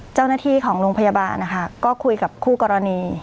เจ้าหน้าที่ของโรงพยาบาลนะคะก็คุยกับคู่กรณี